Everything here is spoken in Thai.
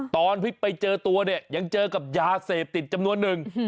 ตอนที่ไปเจอตัวเนี่ยยังเจอกับยาเสพติดจำนวนหนึ่ง